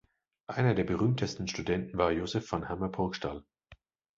Einer der berühmtesten Studenten war Joseph von Hammer-Purgstall.